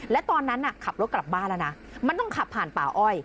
และตอนนั้นขับรถกลับบ้านแล้วนะมันต้องขับผ่านป่าอ้อย